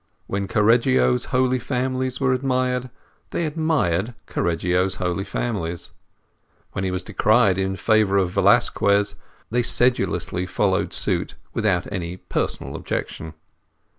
When Correggio's Holy Families were admired, they admired Correggio's Holy Families; when he was decried in favour of Velasquez, they sedulously followed suit without any personal objection.